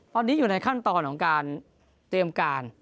ตอนนี้อยู่ในขั้นตอนของการเตรียมการ